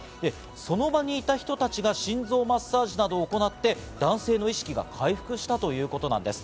その場にいた人たちが心臓マッサージなどを行って男性の意識が回復したということなんです。